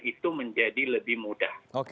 itu menjadi lebih mudah